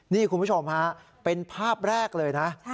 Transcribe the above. นี่คุณผู้ชมฮะเป็นภาพแรกเลยนะ